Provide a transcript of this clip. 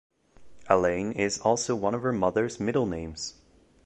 Alleyne is also one of her mother's middle names.